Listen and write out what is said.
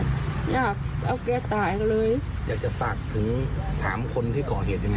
ถ้าเจอเขาอยากจะถามเขาว่าไงบ้าง